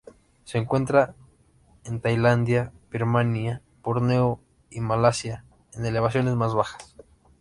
Se encuentra en Tailandia, Birmania, Borneo y Malasia en elevaciones más bajas.